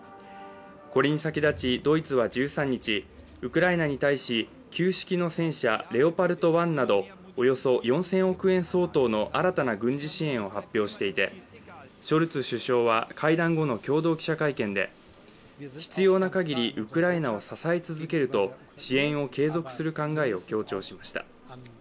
これに先立ちドイツは１３日、ウクライナに対し旧式の戦車、レオパルト１などおよそ４０００億円相当の新たな軍事支援を発表していてショルツ首相は会談後の共同記者会見で必要なかぎりウクライナを支え続けると支援を継続する考えを強調しました。